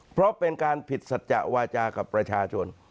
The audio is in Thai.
เพราะเป็นการผิดสัจจะวาจากับประชาชน